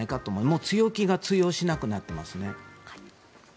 もう強気が通用しなくなってきていますね。